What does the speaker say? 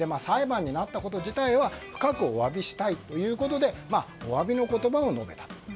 裁判になったこと自体は深くお詫びしたいということでお詫びの言葉を述べたと。